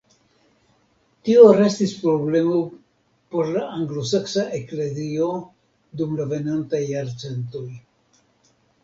Tio restis problemo por la anglosaksa eklezio dum la venontaj jarcentoj.